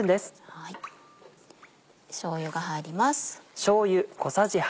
しょうゆが入ります。